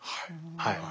はい。